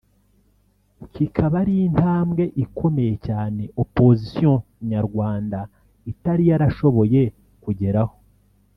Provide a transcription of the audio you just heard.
kikaba ari intambwe ikomeye cyane “opposition” nyarwanda itari yarashoboye kugeraho